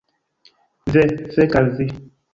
Ve, fek al vi!